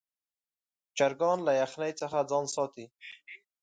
چرګان له یخنۍ څخه ځان ساتي.